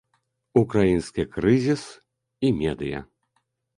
Украінскі крызіс і медыя.